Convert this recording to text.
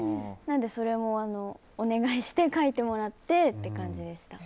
それもお願いして書いてもらってという感じでした。